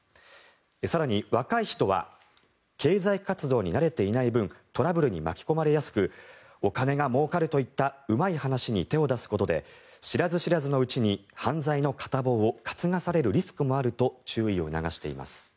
更に、若い人は経済活動に慣れていない分トラブルに巻き込まれやすくお金がもうかるといったうまい話に手を出すことで知らず知らずのうちに犯罪の片棒を担がされるリスクがあると注意を促しています。